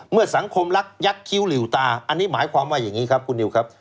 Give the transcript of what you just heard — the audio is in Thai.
เมื่อสังคมรักยักษ์คิ้วหลิวตาอันนี้หมายความว่าอย่างนี้ครับคุณนิวครับ